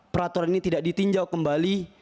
peraturan ini tidak ditinjau kembali